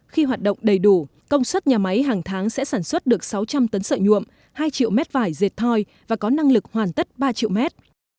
khi hoạt động đầy đủ công suất nhà máy hàng tháng sẽ sản xuất được sáu trăm linh tấn sợi nhuộm hai triệu mét vải dệt thoi và có năng lực hoàn tất ba triệu mét